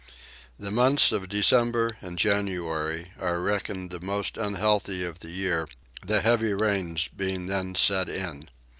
The months of December and January are reckoned the most unhealthy of the year, the heavy rains being then set in.